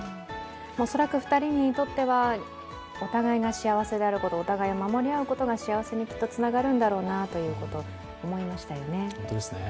恐らく２人にとってはお互いが幸せであることお互いを守り合うことが幸せにきっとつながるんだろうなということを思いましたよね。